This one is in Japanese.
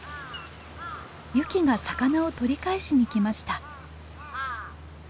ユキが魚を取り返しにきました。